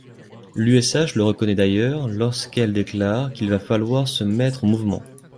L’USH le reconnaît d’ailleurs lorsqu’elle déclare qu’il va falloir se mettre en mouvement.